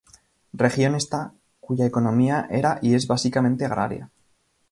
Región esta cuya economía era y es básicamente agraria.